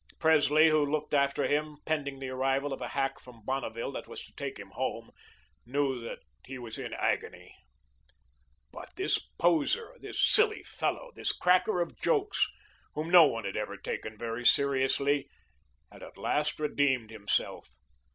Presley, who looked after him, pending the arrival of a hack from Bonneville that was to take him home, knew that he was in agony. But this poser, this silly fellow, this cracker of jokes, whom no one had ever taken very seriously, at the last redeemed himself.